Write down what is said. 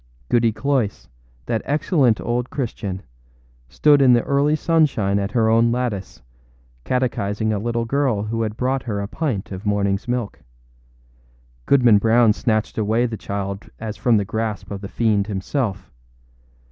Goody Cloyse, that excellent old Christian, stood in the early sunshine at her own lattice, catechizing a little girl who had brought her a pint of morningâs milk. Goodman Brown snatched away the child as from the grasp of the fiend himself.